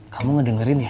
kamu ngedengerin ya